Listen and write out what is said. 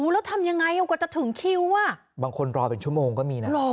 แล้วทำยังไงกว่าจะถึงคิวบางคนรอเป็นชั่วโมงก็มีนะ